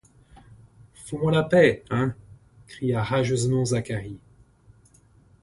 Fous-moi la paix, hein ! cria rageusement Zacharie.